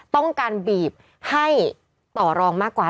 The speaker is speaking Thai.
ต้องการบีบให้ต่อรองมากกว่า